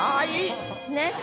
ねっ？